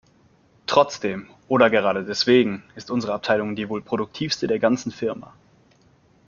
Trotzdem - oder gerade deswegen - ist unsere Abteilung die wohl produktivste der ganzen Firma.